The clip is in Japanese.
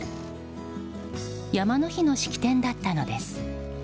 山の日の式典だったのです。